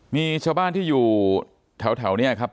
มีชาวบ้านที่อยู่แถวนี้ครับ